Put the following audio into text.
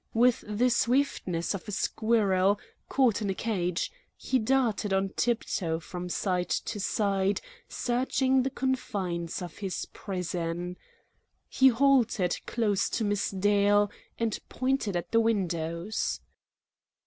With the swiftness of a squirrel caught in a cage, he darted on tiptoe from side to side searching the confines of his prison. He halted close to Miss Dale and pointed at the windows.